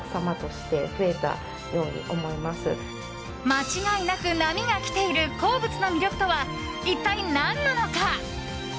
間違いなく波が来ている鉱物の魅力とは一体、何なのか。